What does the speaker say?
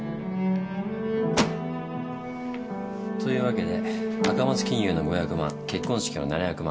というわけで赤松金融の５００万結婚式の７００万